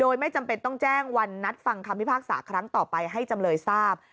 โดยไม่จำเป็นต้องแจ้งวันนัดฟังคำพิพากษาครั้งต่อไปให้จำเลยทราบ